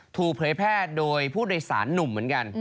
เผยแพร่โดยผู้โดยสารหนุ่มเหมือนกัน